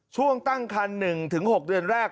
ช่วงตั้งคัน๑๖เดือนแรก